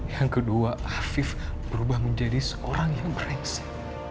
yang kedua afif berubah menjadi seorang yang bereksa